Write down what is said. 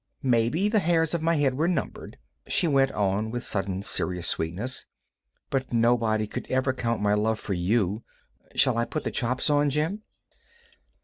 Maybe the hairs of my head were numbered," she went on with sudden serious sweetness, "but nobody could ever count my love for you. Shall I put the chops on, Jim?"